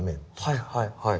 はいはいはい。